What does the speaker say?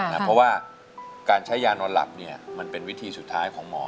เพราะว่าการใช้ยานอนหลับมันเป็นวิธีสุดท้ายของหมอ